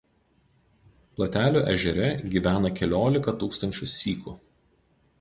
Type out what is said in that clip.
Platelių ežere gyvena keliolika tūkstančių sykų.